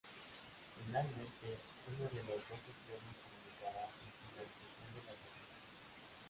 Finalmente, uno de los dos extremos comunicará la finalización de la transmisión.